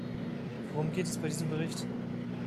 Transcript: Worum geht es bei diesem Bericht?